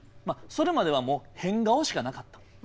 それまではもう変顔しかなかった。